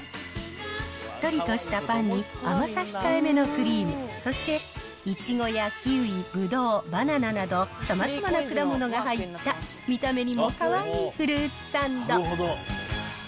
しっとりとしたパンに、甘さ控えめのクリーム、そしてイチゴやキウイ、ブドウ、バナナなど、さまざまな果物が入った、見た目にもかわいいフルーツサンド。